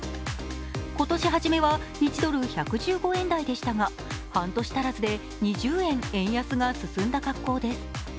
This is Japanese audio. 今年はじめは１ドル＝１１５円台でしたが半年足らずで２０円、円安が進んだ格好です。